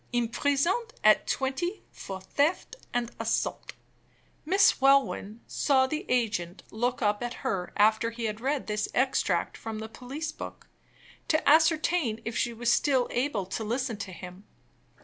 Imprisoned at twenty for theft and assault.'" Miss Welwyn saw the agent look up at her after he had read this extract from the police book, to ascertain if she was still able to listen to him.